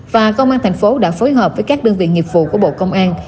và công an tp hcm đã phối hợp với các đơn vị nghiệp vụ của bộ công an